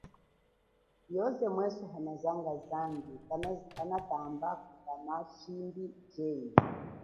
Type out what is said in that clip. Yoze mweswe unazanga zambi kanatamba kulama shimbi jenyi.